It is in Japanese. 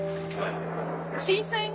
震災後